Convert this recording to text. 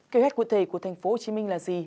kế hoạch cụ thể của tp hcm là gì